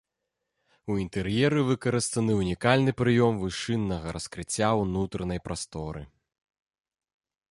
У інтэр'еры выкарыстаны ўнікальны прыём вышыннага раскрыцця ўнутранай прасторы.